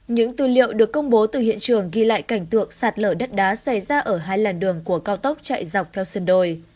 những tư liệu được công bố từ hiện trường ghi lại cảnh tượng sạt lở đất đá xảy ra ở hai làn đường của cao tốc chạy dọc theo sân đồi